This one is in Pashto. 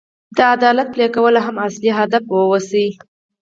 د عدالت پلي کول هم اصلي هدف واوسي.